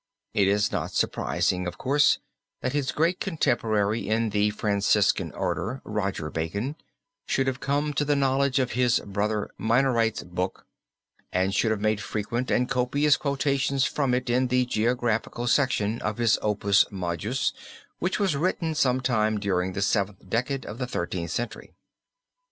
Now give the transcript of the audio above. It is not surprising, of course, that his great contemporary in the Franciscan order, Roger Bacon, should have come to the knowledge of his Brother Minorite's book and should have made frequent and copious quotations from it in the geographical section of his Opus Majus, which was written some time during the seventh decade of the Thirteenth Century.